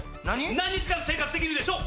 何日間生活できるでしょう？